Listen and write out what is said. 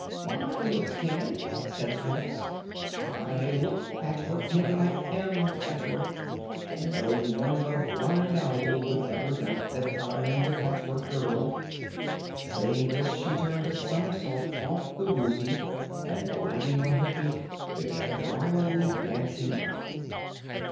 "MY looks can," said Scraps. "I LOOK patchwork, and I AM patchwork, and no one but a blind owl could ever doubt that I'm the Patchwork Girl." Saying which, she turned a somersault off the Woozy and, alighting on her feet, began wildly dancing about.